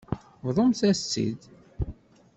Bḍumt-as-tt-id.